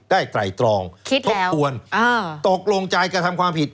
ได้ไต่ตรองต้องควรคิดแล้วตกลงใจกระทำความผิด